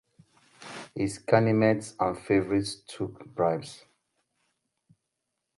His Ganimeds and Favourites tooke Bribes.